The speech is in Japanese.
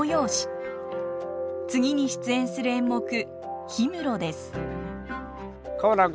次に出演する演目「氷室」です。